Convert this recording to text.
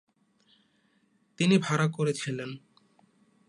তিনি ভাড়া করে ছিলেন।